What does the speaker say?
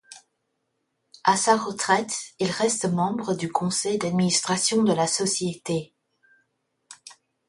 À sa retraite, il reste membre du Conseil d'Administration de la société.